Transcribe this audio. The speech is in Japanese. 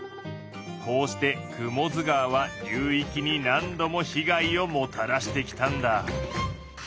こうして雲出川は流域に何度も被害をもたらしてきたんだ。